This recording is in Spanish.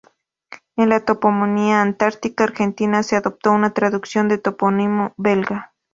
En la toponimia antártica argentina, se adoptó una traducción del topónimo belga.